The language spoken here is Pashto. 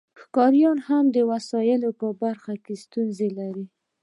ښکاریان هم د وسایلو په برخه کې ستونزې لري